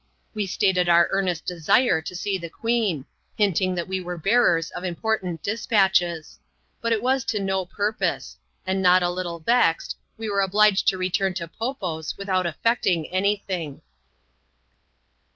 We stated our earnest desire to see the queen ; hinting that we were bearers of important dispatches. But it was to no purpose ; and not a little vexed, we were obliged to return to Po Po's without effecting any thing.